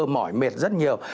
mỏi mệt rất nhiều